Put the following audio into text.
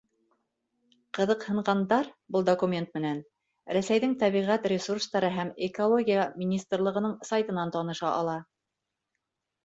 Ҡыҙыҡһынғандар был документ менән Рәсәйҙең Тәбиғәт ресурстары һәм экология министрлығының сайтынан таныша ала.